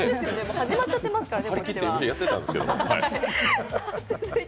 始まっちゃってますからね。